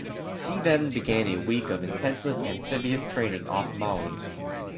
She then began a week of intensive amphibious training off Maui.